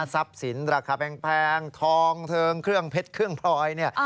ทรัพย์สินราคาแพงทองเทิงเครื่องเพชรเครื่องพลอยเนี่ย